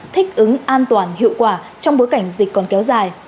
thích ứng an toàn hiệu quả trong bối cảnh dịch còn kéo dài